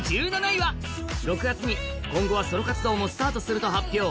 １７位は、６月に今後はソロ活動もスタートすると発表。